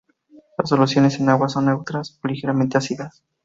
Las soluciones en agua son neutras o ligeramente ácidas.